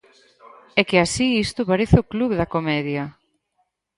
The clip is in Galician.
É que así isto parece o Club da Comedia.